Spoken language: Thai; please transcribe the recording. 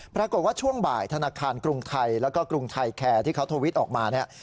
ปรากฏว่าช่วงบ่ายธนาคารกรุงไทยแล้วก็กรุงไทยแคร์ที่เขาทวิตออกมาเนี่ย